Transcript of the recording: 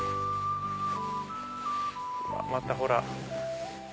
またほら！